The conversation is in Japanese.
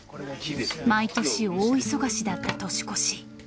毎年大忙しだった年越し。